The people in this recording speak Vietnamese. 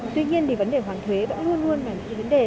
tuy nhiên thì vấn đề hoàn thuế vẫn luôn luôn là những vấn đề